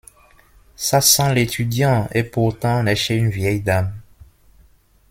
Ça sent l'étudiant et pourtant on est chez une vieille dame.